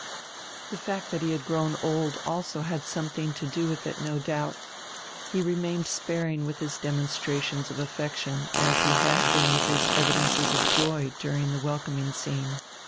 The fact that he had grown old also had something to do with it, no doubt. He remained sparing with his demonstrations of affection as he had been with his evidences of joy, during the welcoming scene.